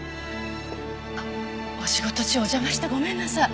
あっお仕事中お邪魔してごめんなさい。